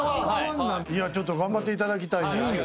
いやちょっと頑張っていただきたいですけども。